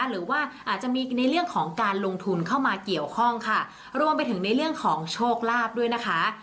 หรือว่าอาจจะมีในเรื่องของการลงทุนเข้ามาเกี่ยวข้องค่ะรวมไปถึงในเรื่องของโชคลาภด้วยนะคะ